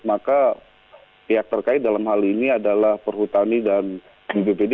maka pihak terkait dalam hal ini adalah perhutani dan bppd